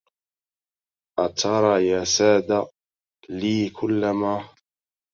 أترى يا سادة لي كلما